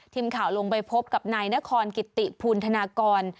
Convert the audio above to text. ทีมข่าวลงไปพบกับนายนครกิติภูมิธนากร